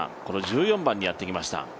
この１４番にやって来ました。